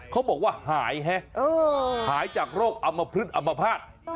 เขาบอกว่าหายหายจากโรคอัมพฤษอัมภาษ